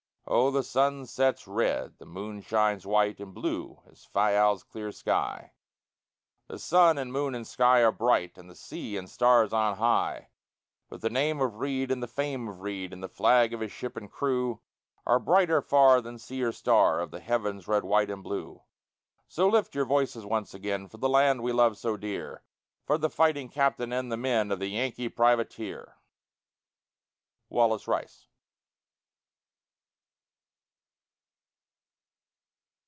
_Oh, the sun sets red, the moon shines white, And blue is Fayal's clear sky; The sun and moon and sky are bright, And the sea, and stars on high; But the name of Reid and the fame of Reid And the flag of his ship and crew Are brighter far than sea or star Or the heavens' red, white, and blue: So lift your voices once again For the land we love so dear, For the fighting Captain and the men Of the Yankee Privateer._ WALLACE RICE.